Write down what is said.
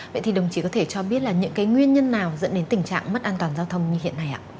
vậy thì đồng chí có thể cho biết là những cái nguyên nhân nào dẫn đến tình trạng mất an toàn giao thông như hiện nay ạ